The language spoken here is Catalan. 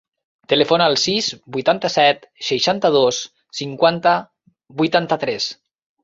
Telefona al sis, vuitanta-set, seixanta-dos, cinquanta, vuitanta-tres.